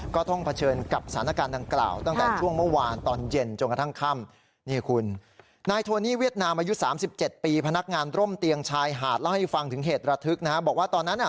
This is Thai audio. ก็ต้องเผชิญกับสถานการณ์ดังกล่าว